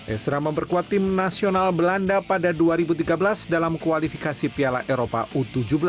esra memperkuat tim nasional belanda pada dua ribu tiga belas dalam kualifikasi piala eropa u tujuh belas